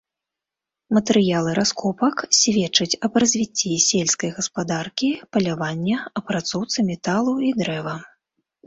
Матэрыялы раскопак сведчаць аб развіцці сельскай гаспадаркі, палявання, апрацоўцы металу і дрэва.